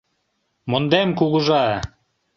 Мондем, Кугыжа!